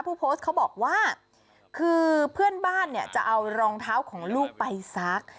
ผู้โพสต์เขาบอกว่าคือเพื่อนบ้านเนี่ยจะเอารองเท้าของลูกไปซัก